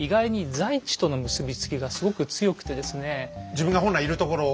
自分が本来いるところ。